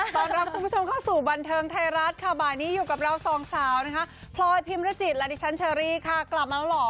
ต้อนรับคุณผู้ชมเข้าสู่บันเทิงไทยรัฐค่ะบ่ายนี้อยู่กับเราสองสาวนะคะพลอยพิมรจิตและดิฉันเชอรี่ค่ะกลับมาแล้วเหรอ